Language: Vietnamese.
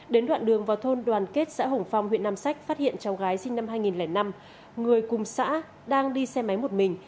đến đoạn đường vào thôn đoàn kết xã hồng phong huyện nam sách phát hiện cháu gái sinh năm hai nghìn năm người cùng xã đang đi xe máy một mình